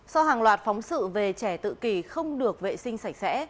sau hàng loạt phóng sự về trẻ tự kỷ không được vệ sinh sạch sẽ